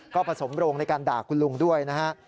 ก็ผสมโรงในการด่าคุณลุงด้วยนะฮะ